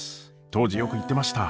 当時よく言ってました。